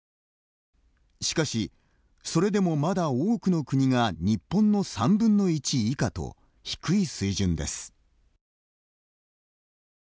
しかし、それでもまだ多くの国が日本の３分の１以下と低い水準です。